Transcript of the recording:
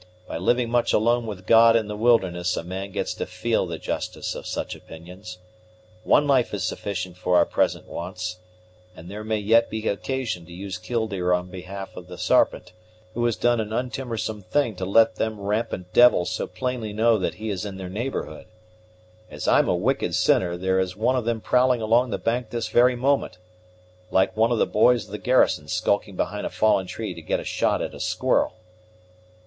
By living much alone with God in the wilderness a man gets to feel the justice of such opinions. One life is sufficient for our present wants; and there may yet be occasion to use Killdeer in behalf of the Sarpent, who has done an untimorsome thing to let them rampant devils so plainly know that he is in their neighborhood. As I'm a wicked sinner, there is one of them prowling along the bank this very moment, like one of the boys of the garrison skulking behind a fallen tree to get a shot at a squirrel!"